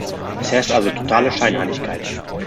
Es herrscht also totale Scheinheiligkeit.